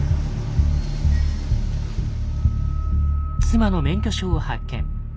妻の免許証を発見。